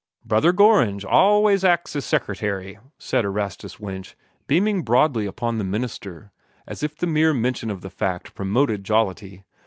"Brother Gorringe allus acts as Seckertary," said Erastus Winch, beaming broadly upon the minister, as if the mere mention of the fact promoted jollity.